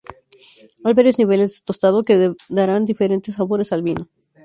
Hay varios niveles de tostado, que darán diferentes sabores al vino.